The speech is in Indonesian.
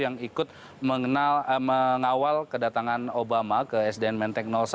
yang ikut mengawal kedatangan obama ke sdn menteng satu